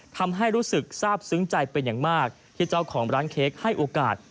ทำให้รู้สึกทราบซึ้งใจเป็นอย่างมากที่เจ้าของร้านเค้กให้โอกาส